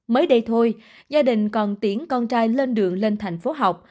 mới đây thôi gia đình còn tiễn con trai lên đường lên thành phố học